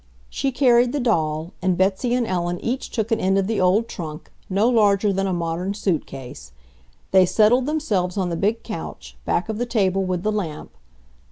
She carried the doll, and Betsy and Ellen each took an end of the old trunk, no larger than a modern suitcase. They settled themselves on the big couch, back of the table with the lamp.